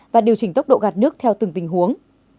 và điều chỉnh tốc độ gạt nước theo từng tình huống